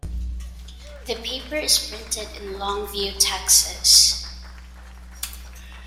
The paper is printed in Longview, Texas.